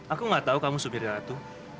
aku nggak tahu kamu supir ratu